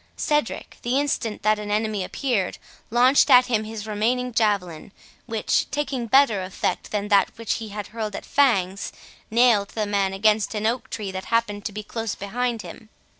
Cedric, the instant that an enemy appeared, launched at him his remaining javelin, which, taking better effect than that which he had hurled at Fangs, nailed the man against an oak tree that happened to be close behind him.